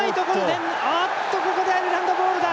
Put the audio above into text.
ここでアイルランドボールだ！